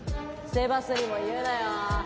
セバスにも言うなよ。